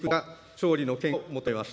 総理の見解を求めます。